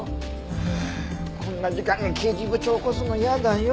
はあこんな時間に刑事部長を起こすの嫌だよ。